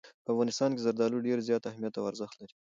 په افغانستان کې زردالو ډېر زیات اهمیت او ارزښت لري.